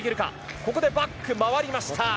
ここでバック回りました。